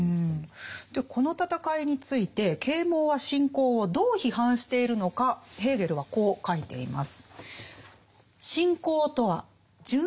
この戦いについて啓蒙は信仰をどう批判しているのかヘーゲルはこう書いています。